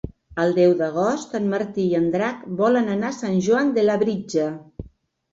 El deu d'agost en Martí i en Drac volen anar a Sant Joan de Labritja.